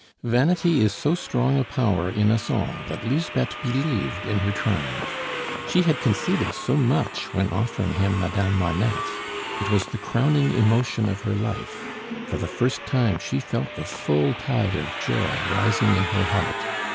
Vanity is so strong a power in us all that Lisbeth believed in her triumph. She had conceded so much when offering him Madame Marneffe. It was the crowning emotion of her life; for the first time she felt the full tide of joy rising in her heart.